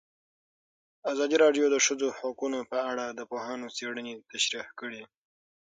ازادي راډیو د د ښځو حقونه په اړه د پوهانو څېړنې تشریح کړې.